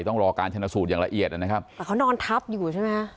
ต้องรอการชนะสูตรอย่างละเอียดนะครับแต่เขานอนทับอยู่ใช่ไหม